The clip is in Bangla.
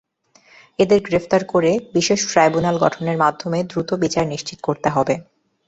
এদের গ্রেপ্তার করে বিশেষ ট্রাইব্যুনাল গঠনের মাধ্যমে দ্রুত বিচার নিশ্চিত করতে হবে।